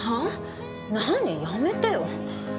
やめてよ。